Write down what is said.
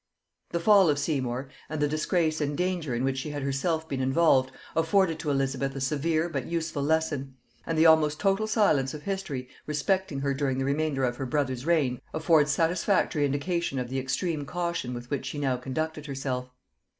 The fall of Seymour, and the disgrace and danger in which she had herself been involved, afforded to Elizabeth a severe but useful lesson; and the almost total silence of history respecting her during the remainder of her brother's reign affords satisfactory indication of the extreme caution with which she now conducted herself.